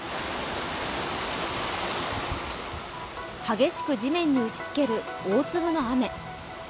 激しく地面に打ちつける大粒の雨。